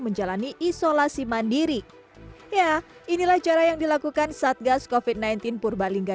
menjalani isolasi mandiri ya inilah cara yang dilakukan satgas kofit sembilan belas purbalingga